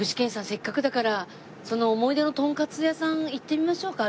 せっかくだからその思い出のとんかつ屋さん行ってみましょうか？